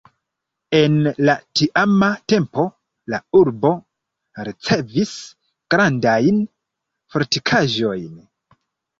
En la tiama tempo la urbo ricevis grandajn fortikaĵojn.